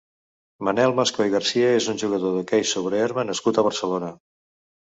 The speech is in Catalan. Manel Mascó i Garcia és un jugador d'hoquei sobre herba nascut a Barcelona.